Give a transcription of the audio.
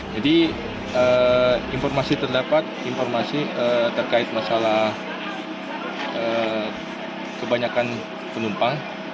jadi informasi terdapat informasi terkait masalah kebanyakan penumpang